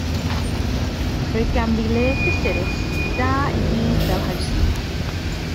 Roedd ganddi le cysurus, da ei byd fel howscipar.